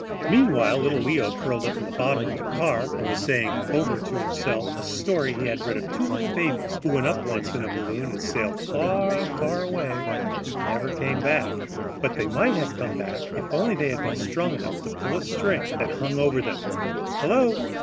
Meantime little Leo, curled up at the bottom of the car, was saying over to himself a story he had read of two little babies who went up once in a balloon and sailed far, far away and never came back, but they might have come back if only they had been strong enough to pull a string that hung over them. Hello!